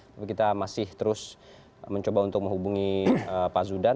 tapi kita masih terus mencoba untuk menghubungi pak zudan